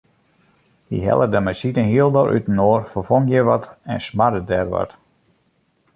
Hy helle de masine hielendal útinoar, ferfong hjir wat en smarde dêr wat.